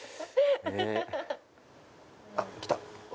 あっ来た。